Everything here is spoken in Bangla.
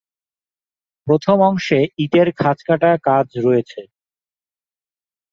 প্রথম অংশে ইটের খাঁজকাটা কাজ রয়েছে।